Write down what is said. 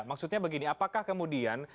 maksudnya begini apakah kemudian